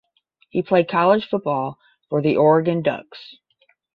He played college football for the Oregon Ducks.